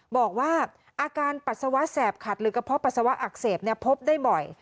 บอกว่าอาการปัสสาวะแสบขัดหรือกระเพาะปัสสาวะอักเสบพบได้บ่อย